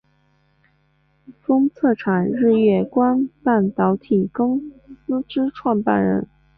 封测厂日月光半导体公司之创办人。